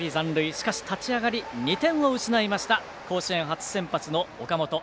しかし、立ち上がり２点を失いました甲子園初先発の岡本。